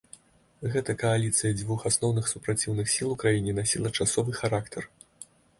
Гэта кааліцыя дзвюх асноўных супраціўных сіл у краіне насіла часовы характар.